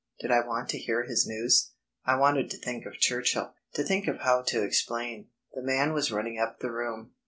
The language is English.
Did I want to hear his news? I wanted to think of Churchill; to think of how to explain.... The man was running up the room.